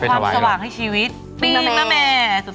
เพิ่มความสว่างให้ชีวิตปีมะเมีย